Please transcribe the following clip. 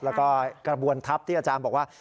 แล้วก็กระบวนทัพที่อาจารย์บอกว่า